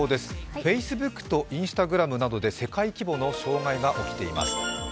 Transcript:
ＦａｃｅｂｏｏｋとＩｎｓｔａｇｒａｍなどで世界規模の障害が起きています。